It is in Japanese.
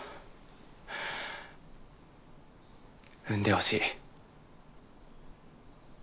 産んでほしい。